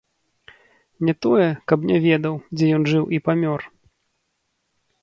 Не тое, каб не ведаў, дзе ён жыў і памёр.